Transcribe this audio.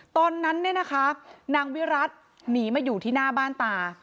ตอนนั้นเนี่ยนะคะนางวิรัติหนีมาอยู่ที่หน้าบ้านตา